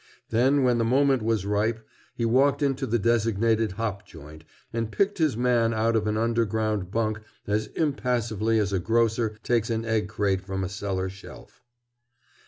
Then, when the moment was ripe, he walked into the designated hop joint and picked his man out of an underground bunk as impassively as a grocer takes an egg crate from a cellar shelf.